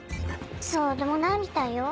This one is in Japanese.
そうでもないみたいよ？